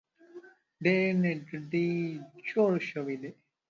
ډیر نیږدې جوړ شوي دي.